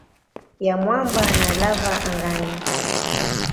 ya mwamba na lava angani.